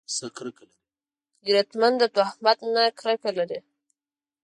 غیرتمند د تهمت نه کرکه لري